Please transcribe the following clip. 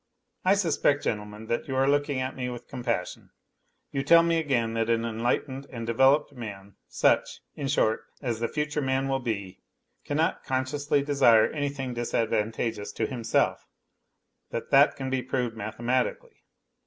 I suspect, gentlemen, that you are looking at me with compassion; you tell me again that an enlightened and developed man, such, in short, as the future man will be, cannot consciously desire anything disadvantageous to himself, that that can be proved mathematically.